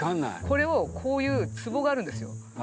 これをこういうツボがあるんですよ。